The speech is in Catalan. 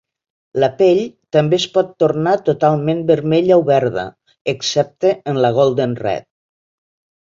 La pell també es pot tornar totalment vermella o verda, excepte en la Golden Red.